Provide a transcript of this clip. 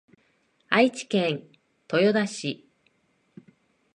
愛知県豊田市